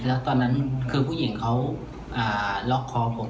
แล้วตอนนั้นคือผู้หญิงเขาล็อกคอผม